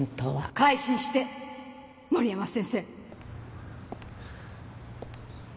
改心して森山先生。